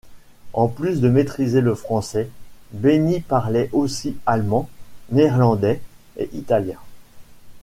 En plus de maîtriser le français, Benny parlait aussi allemand, néerlandais et italien.